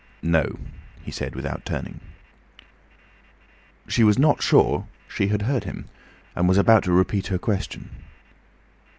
"No," he said without turning. She was not sure she had heard him, and was about to repeat her question.